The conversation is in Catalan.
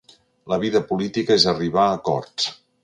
La vida política és arribar a acords.